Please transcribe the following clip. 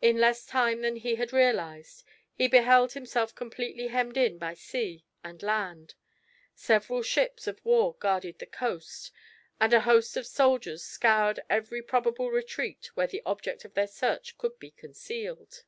In less time than he had realised, he beheld himself completely hemmed in by sea and land. Several ships of war guarded the coast, and a host of soldiers scoured every probable retreat where the object of their search could be concealed.